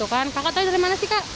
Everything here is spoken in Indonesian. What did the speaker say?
kakak tahu dari mana sih kak